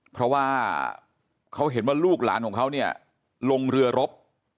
เพราะว่าเขาเห็นว่าลูกหลานของเขาเนี่ยลงเรือรบ